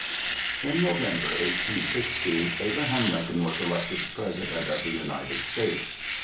In November, 1860, Abraham Lincoln was elected President of the United States.